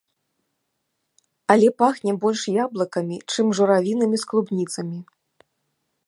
Але пахне больш яблыкамі, чым журавінамі з клубніцамі.